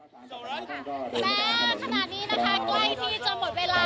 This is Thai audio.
แม้ขณะนี้นะคะใกล้ที่จะหมดเวลา